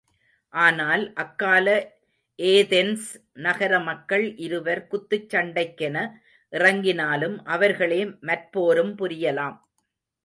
ஆனால், அக்கால ஏதென்ஸ் நகர மக்கள் இருவர் குத்துச் சண்டைக்கென இறங்கினாலும், அவர்களே மற்போரும் புரியலாம்.